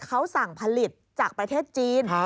เขาสั่งผลิตจากประเทศจีน